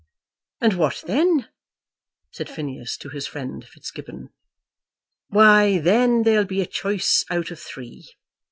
"And what then?" said Phineas to his friend Fitzgibbon. "Why, then there will be a choice out of three.